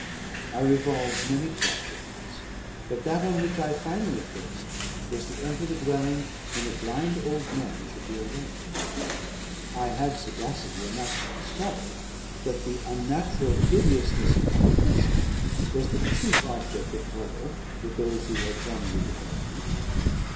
I revolved many projects; but that on which I finally fixed was, to enter the dwelling when the blind old man should be alone. I had sagacity enough to discover, that the unnatural hideousness of my person was the chief object of horror with those who had formerly beheld me.